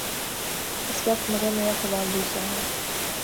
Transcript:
اس وقت مگر میرا سوال دوسرا ہے۔